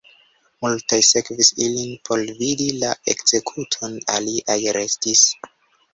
Multaj sekvis ilin por vidi la ekzekuton, aliaj restis.